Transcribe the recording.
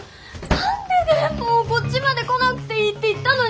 何でもうこっちまで来なくていいって言ったのに！